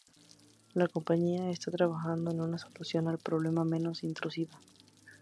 La compañía está trabajando en una solución al problema menos intrusiva.